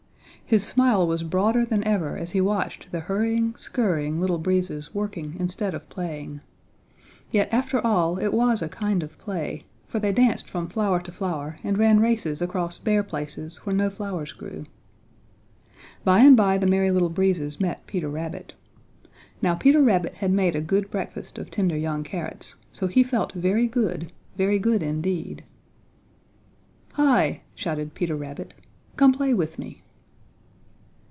His smile was broader than ever as he watched the hurrying, scurrying Little Breezes working instead of playing. Yet after all it was a kind of play, for they danced from flower to flower and ran races across bare places where no flowers grew. By and by the Merry Little Breezes met Peter Rabbit. Now Peter Rabbit had made a good breakfast of tender young carrots, so he felt very good, very good indeed. "Hi!" shouted Peter Rabbit, "come play with me."